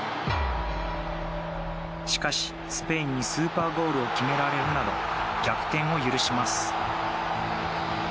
しかし、スペインにスーパーゴールを決められるなど逆転を許します。